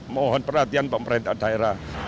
mohon perhatian pemerintah daerah